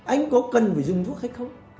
anh có cần phải dùng thuốc hay không